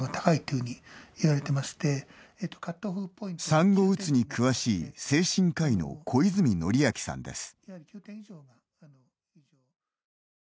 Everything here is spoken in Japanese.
産後うつに詳しい精神科医の小泉典章さんです。